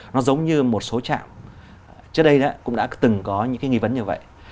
nó giống như một số trạm trước đây cũng đã từng có những cái nghi vấn như vậy